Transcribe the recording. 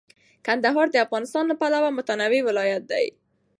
افغانستان د کندهار له پلوه متنوع ولایت دی.